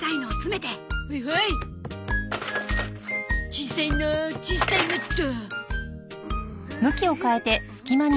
小さいの小さいのっと。